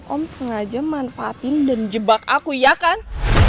om sengaja manfaatin dan jebak aku ya kan